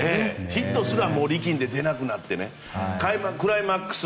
ヒットすら力んで出なくなってねクライマックス